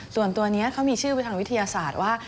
ส่วนตัวนี้เขามีชื่อไปทางวิทยาศาสตร์ว่า